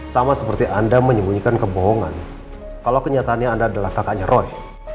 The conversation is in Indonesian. sama seperti anda menyembunyikan kebohongan kalau kenyataannya anda adalah kakaknya roy